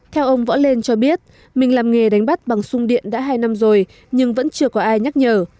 theo ông võ lên cho biết mình làm nghề đánh bắt bằng sung điện đã hai năm rồi nhưng vẫn chưa có ai nhắc nhở